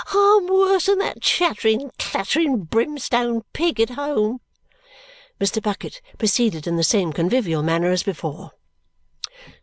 I'm worse than the chattering, clattering, brimstone pig at home!" Mr. Bucket proceeded in the same convivial manner as before.